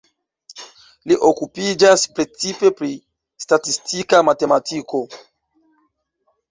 Li okupiĝas precipe pri statistika matematiko.